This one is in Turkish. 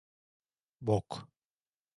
Bok.